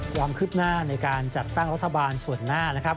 ความคืบหน้าในการจัดตั้งรัฐบาลส่วนหน้านะครับ